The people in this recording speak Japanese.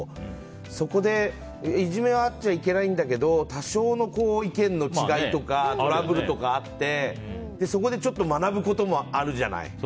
そこで、いじめはあっちゃいけないんだけど多少の意見の違いとかトラブルとかあってそこでちょっと学ぶこともあるじゃない。